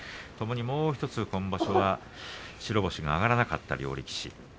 ともにもうひとつ、今場所は白星が挙がらなかった両力士。